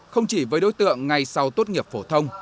không chỉ với đối tượng ngay sau tốt nghiệp phổ thông